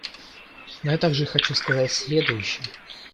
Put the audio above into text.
Но я также хочу сказать следующее.